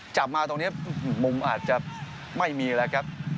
จับมาตรงนี้มุมอาจจะไม่จำเป็นอะไรครับ